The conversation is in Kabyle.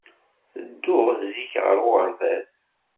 Ttedduɣ zik ɣer uɣerbaz.